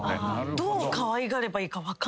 どうかわいがればいいか分かんないんすよ。